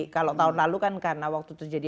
kalau tahun lalu kan karena waktu itu jadi